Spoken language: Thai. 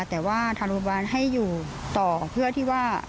แต่ว่าทางโรงพยาบาลให้อยู่ต่อเพื่อที่ว่า